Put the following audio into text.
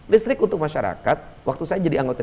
listrik untuk masyarakat waktu saya jadi anggota